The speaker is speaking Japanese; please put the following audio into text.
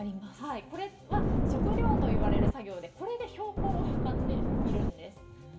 これは、測量といわれる作業でこれで標高を測っているんです。